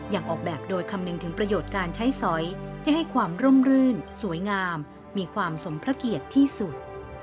ออกแบบโดยคำนึงถึงประโยชน์การใช้สอยได้ให้ความร่มรื่นสวยงามมีความสมพระเกียรติที่สุด